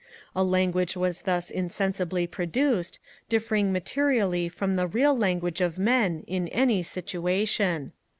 A language was thus insensibly produced, differing materially from the real language of men in any situation.